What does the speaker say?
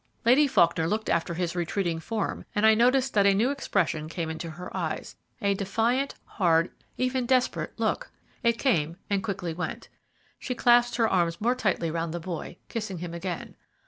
Lady Faulkner looked after his retreating form and I noticed that a new expression came into her eyes a defiant, hard, even desperate, look. It came and quickly went. She clasped her arms more tightly round the boy, kissing him again.